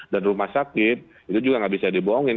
dan rumah sakit itu juga nggak bisa dibohongin